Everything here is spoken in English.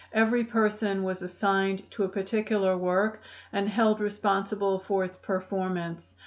Every person was assigned to a particular work and held responsible for its performance.